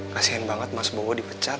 kasian banget mas bowo dipecat